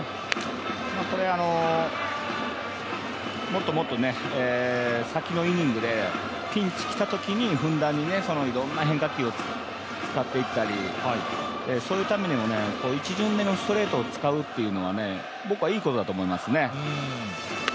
これ、もっともっと、先のイニングでピンチきたときにふんだんにいろんな変化球を使っていったり、そのためにも１巡目にストレートを使うっていうのは僕はいいことだと思いますね。